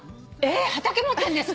畑持ってんですか？